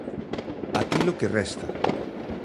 Aquilo que resta.